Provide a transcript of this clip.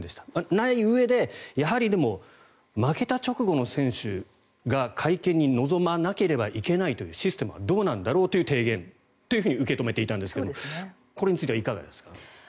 ないうえでやはり、でも負けた直後の選手が会見に臨まなければいけないというシステムはどうなんだろうという提言と受け止めていたんですがこれについてはいかがですか？